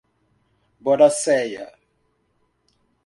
Boraceia